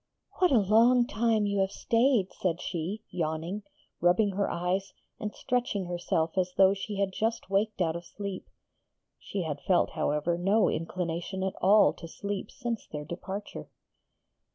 'What a long time you have stayed,' said she, yawning, rubbing her eyes, and stretching herself as though she had just waked out of sleep. (She had felt, however, no inclination at all to sleep since their departure!)